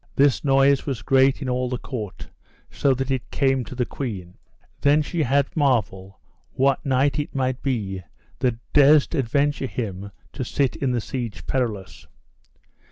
This noise was great in all the court, so that it came to the queen. Then she had marvel what knight it might be that durst adventure him to sit in the Siege Perilous.